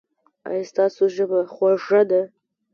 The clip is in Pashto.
ایا ستاسو ژبه خوږه ده؟